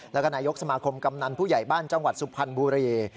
แล้วก็นายกสมาคมกำนันผู้ใหญ่บ้านจังหวัดสุพรรณบุรี